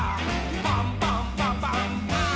「パンパンパパンパンダ！」